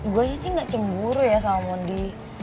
gue sih gak cemburu ya sama mondi